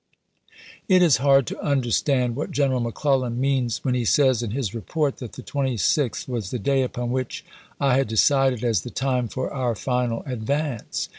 It is hard to understand what Greneral McClellan means when he says in his report that the 26th was " the day upon which I had decided as the time for v^i xi., our final advance."